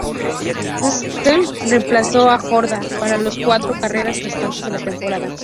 Stoneman reemplazó a Jordá para las cuatro carreras restantes de la temporada.